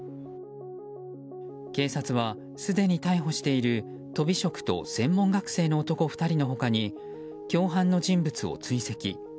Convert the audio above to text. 警察は、すでに逮捕しているとび職と専門学生の男２人の他に共犯の人物を追跡。